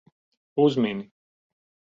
Uzmini.